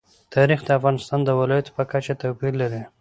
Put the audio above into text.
تاریخ د افغانستان د ولایاتو په کچه توپیر لري.